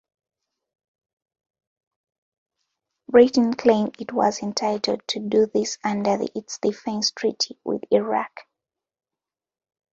Britain claimed it was entitled to do this under its defence treaty with Iraq.